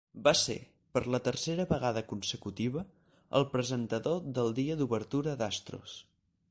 Va ser, per la tercera vegada consecutiva, el presentador del dia d'obertura d'Astros.